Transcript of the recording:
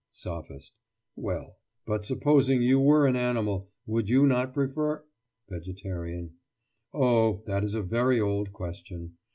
SOPHIST: Well, but supposing you were an animal, would you not prefer—— VEGETARIAN: Oh, that is a very old question.